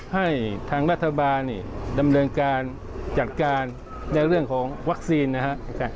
ให้ทางรัฐบาลดำเนินการจัดการในเรื่องของวัคซีนนะครับ